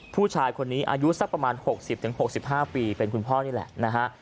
ผู้ชายคนนี้อายุสักประมาณหกสิบถึงหกสิบห้าปีเป็นคุณพ่อนี่แหละนะฮะ